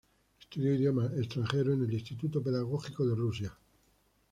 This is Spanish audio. Estudió idiomas extranjeros en el Instituto Pedagógico de Rusia.